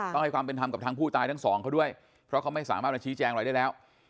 ต้องให้ความเป็นธรรมกับทางผู้ตายทั้งสองเขาด้วยเพราะเขาไม่สามารถมาชี้แจงอะไรได้แล้ว